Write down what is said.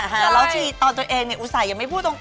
และที่ตอนตัวเองอุตส่ายคยยังไม่พูดตรง